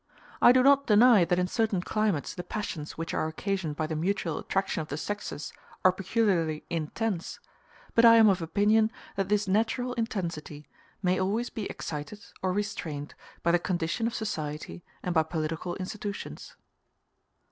I do not deny that in certain climates the passions which are occasioned by the mutual attraction of the sexes are peculiarly intense; but I am of opinion that this natural intensity may always be excited or restrained by the condition of society and by political institutions.